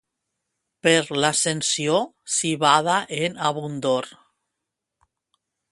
Per l'Ascensió, civada en abundor.